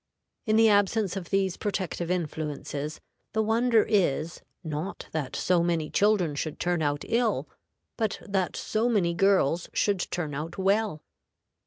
In the absence of these protective influences, the wonder is, not that so many children should turn out ill, but that so many girls should turn out well.